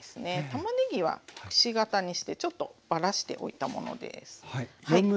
たまねぎはくし形にしてちょっとばらしておいたものです。